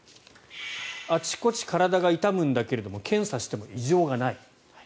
あちこち体が痛むんだけど検査しても異常がない。